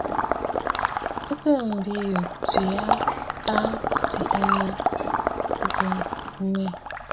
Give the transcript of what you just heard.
Tɨgə bìꞌiyu tswe aa tsiꞌì nɨ̂ ǹtɨɨ mɔꞌɔ̀?